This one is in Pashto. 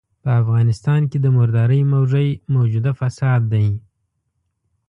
په افغانستان کې د مردارۍ موږی موجوده فساد دی.